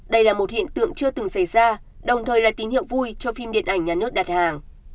đây là một hiện tượng chưa từng xảy ra đồng thời là tín hiệu vui cho phim điện ảnh nhà nước đặt hàng